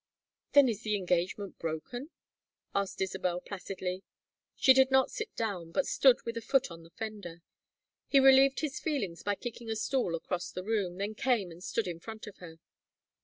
"Then is the engagement broken?" asked Isabel, placidly. She did not sit down, but stood with a foot on the fender. He relieved his feelings by kicking a stool across the room, then came and stood in front of her.